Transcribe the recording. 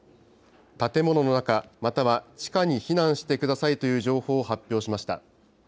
建物の中、または地下に避難してくださいという情報を発表しました。